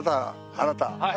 あなた。